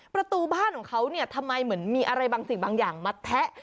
ประตูบ้านของเขาเนี่ยทำไมเหมือนมีอะไรบางสิ่งบางอย่างมาแทะ